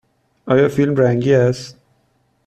آیا فیلم رنگی است؟